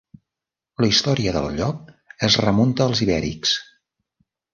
La història del lloc es remunta als Ibèrics.